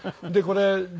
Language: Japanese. でこれ。